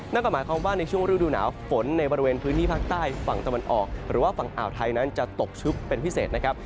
นั่นก็หมายความว่าในช่วงฤดูหนาวฝนในบริเวณพื้นที่ภาคใต้ฝั่งตะวันออกหรือว่าฝั่งอ่าวไทยนั้นจะตกชุกเป็นพิเศษนะครับ